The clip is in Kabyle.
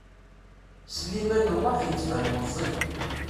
Sliman U Muḥ yettban meẓẓi.